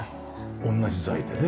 同じ材でね。